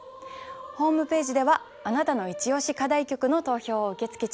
ホームページではあなたのイチオシ課題曲の投票を受け付け中です。